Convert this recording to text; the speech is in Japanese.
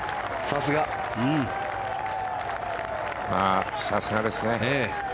さすがですね。